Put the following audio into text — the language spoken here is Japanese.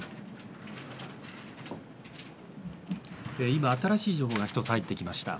今、新しい情報が一つ入ってきました。